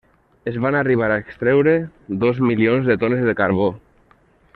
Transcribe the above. Es van arribar a extreure dos milions de tones de carbó.